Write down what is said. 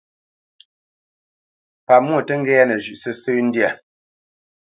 Pámwô tǝ́ ŋgɛ́nǝ zhʉ̌ʼ sǝ́sǝ̂ ndyâ.